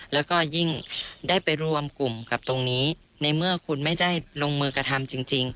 แล้วก็ยิ่งได้ไปรวมกลุ่มกับตรงนี้ในเมื่อคุณไม่ได้ลงมือกระทำจริง